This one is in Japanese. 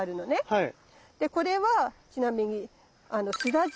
はい。